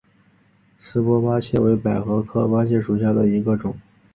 束丝菝葜为百合科菝葜属下的一个种。